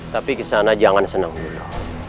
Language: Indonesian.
tapi kisah nabi jangan senang dulu